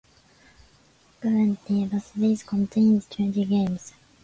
Currently, the series contains twenty games.